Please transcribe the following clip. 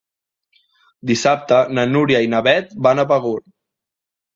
Dissabte na Núria i na Beth van a Begur.